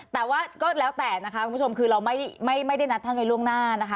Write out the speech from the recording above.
แต่ว่าก็แล้วแต่นะคะคุณผู้ชมคือเราไม่ได้นัดท่านไว้ล่วงหน้านะคะ